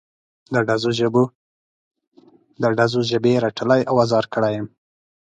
د ډزو ژبې رټلی او ازار کړی یم.